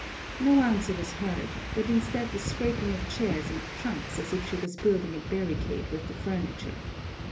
No answer was heard, but instead the scraping of chairs and trunks as if she was building a barricade with the furniture.